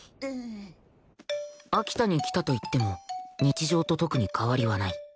秋田に来たといっても日常と特に変わりはない